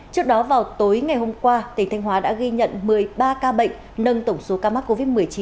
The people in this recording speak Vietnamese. trước đó vào tối ngày hôm qua tỉnh thanh hóa đã ghi nhận một mươi ba ca bệnh nâng tổng số ca mắc covid một mươi chín